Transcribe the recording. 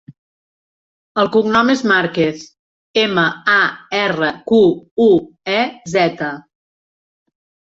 El cognom és Marquez: ema, a, erra, cu, u, e, zeta.